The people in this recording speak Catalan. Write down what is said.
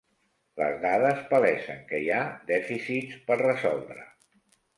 Les dades palesen que hi ha dèficits per resoldre.